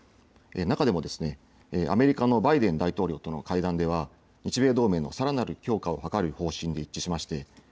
中でもアメリカのバイデン大統領との会談では日米同盟のさらなる強化を図る方針で一致しました。